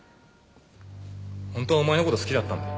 本当はお前の事好きだったんだ。